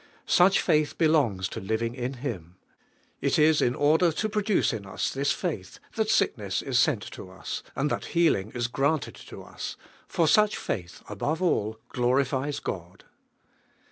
Such faith belongs to living in ®i XUVTNB HKALIKO. Him, K is in order to produce in lis this faith that sickness is sent to us, and thai I he healing is granted to us, for such faith above al! glorifies God.